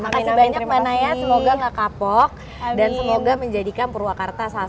terima kasih banyak mbak naya semoga gak kapok dan semoga menjadikan purwakarta